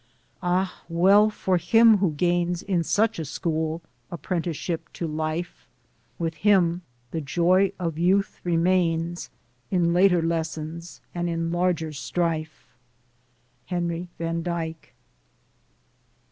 Ah, well for him who gains In such a school apprenticeship to life: With him the joy of youth remains In later lessons and in larger strife! Henry Van Dyke.